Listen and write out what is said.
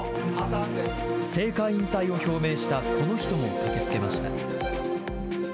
政界引退を表明した、この人も駆けつけました。